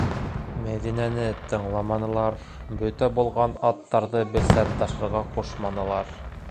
Мәҙинәне тыңламанылар, бөтә булған аттарҙы бесән ташырға ҡушманылар.